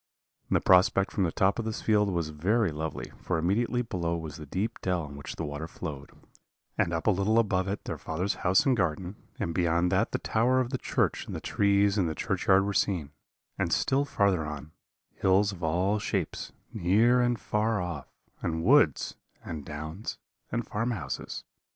The prospect from the top of this field was very lovely, for immediately below was the deep dell in which the water flowed, and up a little above it their father's house and garden, and beyond that the tower of the church and the trees in the churchyard were seen; and still farther on, hills of all shapes, near and far off, and woods, and downs, and farmhouses.